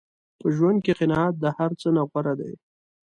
په ژوند کې قناعت د هر څه نه غوره دی.